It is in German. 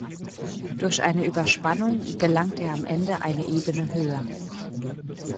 Durch eine Überspannung gelangt er am Ende eine Ebene höher.